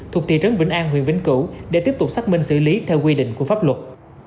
thuộc thị trấn vĩnh an huyện vĩnh cửu để tiếp tục xác minh xử lý theo quy định của pháp luật